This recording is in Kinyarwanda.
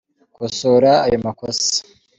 Kosora ayo makosa.